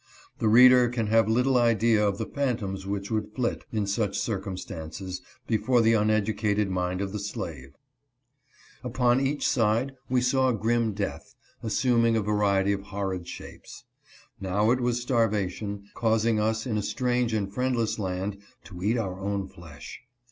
The reader can have little idea of the phantoms which would flit, in such circumstances, before the uneducated mind of the slave. Upon either side we saw grim death, assuming a variety of horrid shapes. Now it was star vation, causing us, in a strange and friendless land, to eat our own flesh.